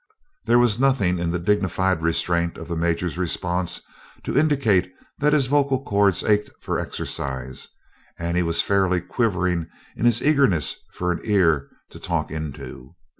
There was nothing in the dignified restraint of the Major's response to indicate that his vocal cords ached for exercise and he was fairly quivering in his eagerness for an ear to talk into.